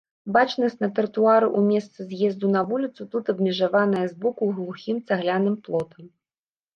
Бачнасць на тратуары ў месцы з'езду на вуліцу тут абмежаваная збоку глухім цагляным плотам.